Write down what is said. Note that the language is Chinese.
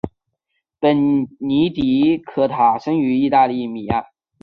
本尼迪克塔生于意大利米兰。